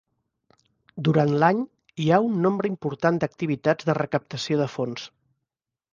Durant l'any hi ha un nombre important d'activitats de recaptació de fons.